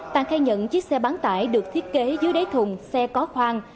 tàng khai nhận chiếc xe bán tải được thiết kế dưới đáy thùng xe có khoang